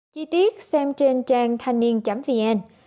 chi tiết xem trên trang thanh niên vn